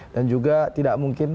dan juga tidak mungkin